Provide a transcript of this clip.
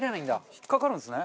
引っかかるんですね。